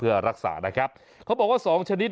ยืนยันว่าม่อข้าวมาแกงลิงทั้งสองชนิด